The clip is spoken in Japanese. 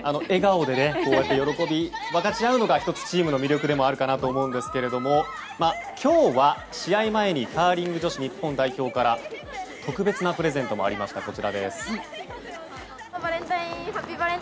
笑顔で喜びを分かち合うのがチームの魅力でもあるかなと思うんですけれども今日は試合前にカーリング女子日本代表から特別なプレゼントもありました。